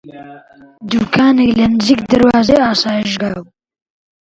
دووکانێک لە نزیک دەروازەی ئاسایشگا بوو